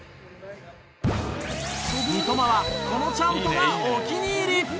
三笘はこのチャントがお気に入り！